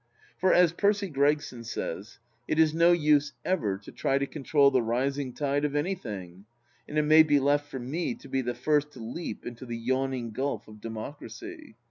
For, as Percy Gregson says, it is no use ever to try to control the rising tide of anything, and it may be left for me to be the first to leap into the yawning gulf of democracy.